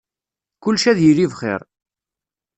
Kullec ad yili bxir.